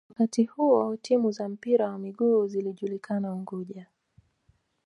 Wakati huo timu za mpira wa miguu zilijulikana Unguja